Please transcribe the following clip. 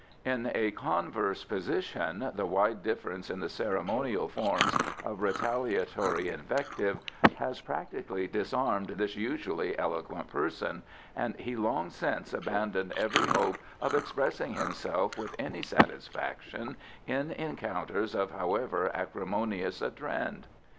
In a converse position, the wide difference in the ceremonial forms of retaliatory invective has practically disarmed this usually eloquent person, and he long since abandoned every hope of expressing himself with any satisfaction in encounters of however acrimonious a trend.